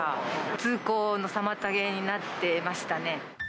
通行の妨げになってましたね。